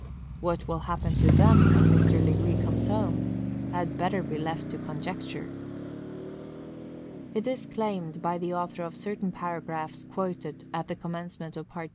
What will happen to them, when Mr. Legree comes home, had better be left to conjecture. It is claimed, by the author of certain paragraphs quoted at the commencement of Part II.